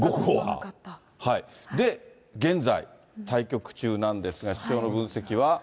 で、現在、対局中なんですが、師匠の分析は。